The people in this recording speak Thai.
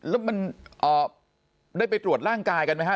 แล้วมันได้ไปตรวจร่างกายกันไหมฮะ